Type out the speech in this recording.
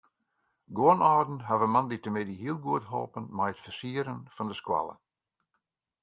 Guon âlden hawwe moandeitemiddei heel goed holpen mei it fersieren fan de skoalle.